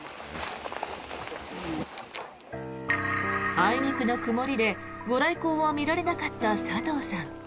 あいにくの曇りでご来光は見られなかった佐藤さん。